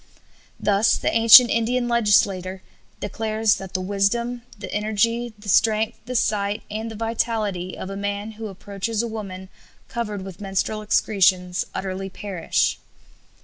Thus the ancient Indian legislator declares that "the wisdom, the energy, the strength, the sight, and the vitality of a man who approaches a woman covered with menstrual excretions utterly perish."